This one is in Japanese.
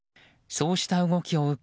そうした動きを受け